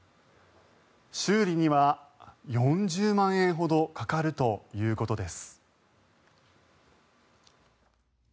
修理には４０万円ほどかかるということです。